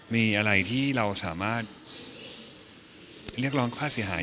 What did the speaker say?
มีอะไรที่เราสามารถเรียกร้องค่าเสียหาย